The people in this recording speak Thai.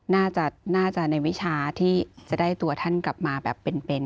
น่าจะในวิชาที่จะได้ตัวท่านกลับมาแบบเป็น